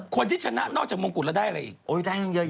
ต้องถามว่ามงกุฏแล้วได้อะไรอีก